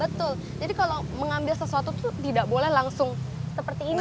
betul jadi kalau mengambil sesuatu itu tidak boleh langsung seperti ini